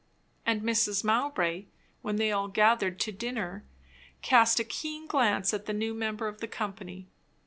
And Mrs. Mowbray, when they all gathered to dinner, cast a keen glance at the new member of the company.